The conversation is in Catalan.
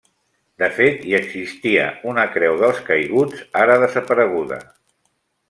De fet hi existia una Creu dels Caiguts, ara desapareguda.